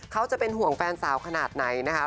เขาจะเป็นห่วงแฟนสาวขนาดไหนนะคะ